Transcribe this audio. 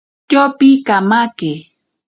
Tyopi kamake.